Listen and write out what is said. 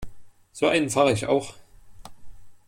So einen fahre ich auch.